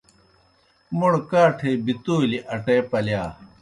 موْڑ کاٹھے بِتَولیْ اٹے پلِیا۔